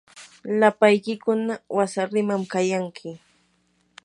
lapaykiykuna wasariman kayanki.